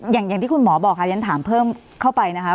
อย่างที่คุณหมอบอกค่ะฉันถามเพิ่มเข้าไปนะคะ